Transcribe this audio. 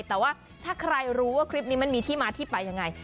แต่ว่าถ้าใครรู้ว่าคลิปนี้มันมีที่มาที่ไปยังไง